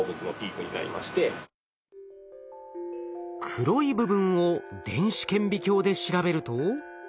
黒い部分を電子顕微鏡で調べると。